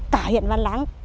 cả hiện văn láng